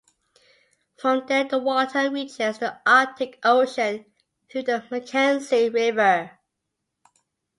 From there the water reaches the Arctic Ocean through the Mackenzie River.